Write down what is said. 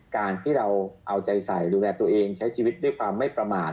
การที่เราเอาใจใส่ดูแลตัวเองใช้ชีวิตด้วยความไม่ประมาท